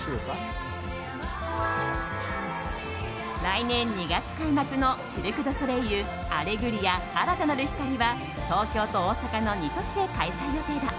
来年２月開幕のシルク・ドゥ・ソレイユ「アレグリア‐新たなる光‐」は東京と大阪の２都市で開催予定だ。